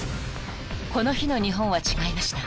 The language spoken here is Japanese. ［この日の日本は違いました］